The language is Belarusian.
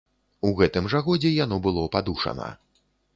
У гэтым жа годзе яно было падушана.